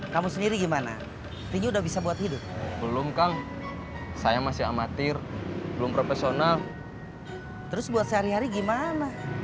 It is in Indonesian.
terus buat sehari hari gimana